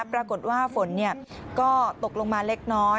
ปรากฏว่าฝนก็ตกลงมาเล็กน้อย